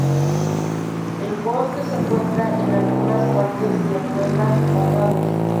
El bosque se encuentra en algunas partes de nueve condados.